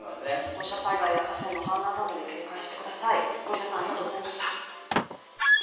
土砂災害や河川の氾濫などに警戒してください。